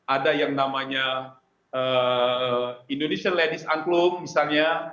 ada yang namanya indonesian ladies angklung misalnya